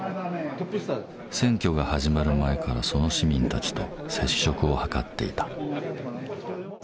選挙が始まる前からその市民たちと接触を図っていた。